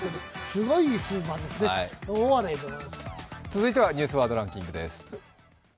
すごいスーパーですね、大笑いです続いては「ニュースワードランキング」です。